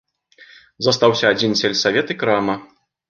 Застаўся адзін сельсавет і крама.